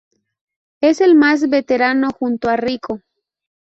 Es el más veterano junto a Rico.